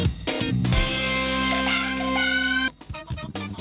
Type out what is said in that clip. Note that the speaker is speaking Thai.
ก็ได้